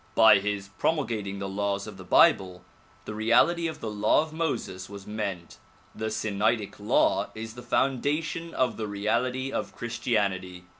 By his promulgating the laws of the bible, the reality of the law of Moses was meant. The sinaitic law is the foundation of the reality of Christianity.